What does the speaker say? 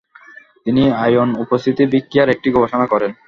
তিনি আয়ন উপস্থিতি বিক্রিয়ার একটি গবেষণা করেন।